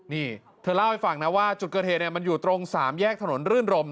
นี่เธอเล่าให้ฟังนะว่าจุดเกิดเหตุมันอยู่ตรง๓แยกถนนรื่นรม